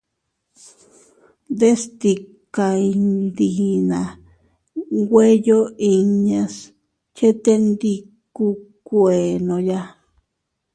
Deʼes stika iydinaa nweyo inñas chetendikuukuennooya.